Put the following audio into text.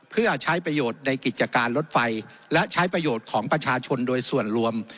เพื่อใช้ประโยชน์ในกิจการรถไฟและใช้ประโยชน์ของประชาชนโดยส่วนรวม